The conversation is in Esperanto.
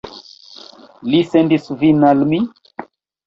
Li sendis vin al mi?